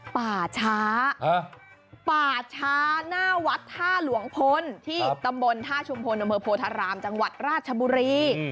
ป่าช้าป่าช้าหน้าวัดท่าหลวงพลที่ตำบลท่าชุมพลอำเภอโพธารามจังหวัดราชบุรี